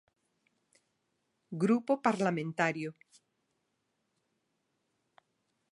Grupo Parlamentario.